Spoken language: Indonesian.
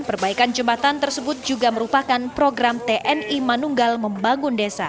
perbaikan jembatan tersebut juga merupakan program tni manunggal membangun desa